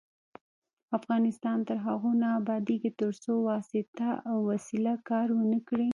افغانستان تر هغو نه ابادیږي، ترڅو واسطه او وسیله کار ونه کړي.